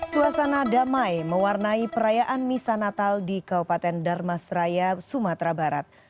suasana damai mewarnai perayaan misa natal di kabupaten darmas raya sumatera barat